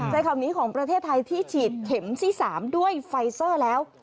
ใช้คำนี้ของประเทศไทยที่ฉีดเข็มที่๓ด้วยไฟเซอร์แล้ว